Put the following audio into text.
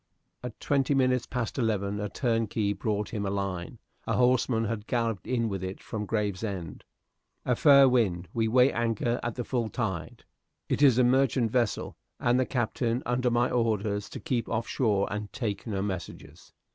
At twenty minutes past eleven a turnkey brought him a line; a horseman had galloped in with it from Gravesend. "A fair wind we weigh anchor at the full tide. It is a merchant vessel, and the Captain under my orders to keep off shore and take no messages.